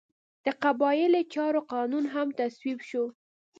د قبایلي چارو قانون هم تصویب شو.